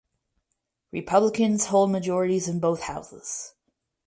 Republicans hold majorities in both houses.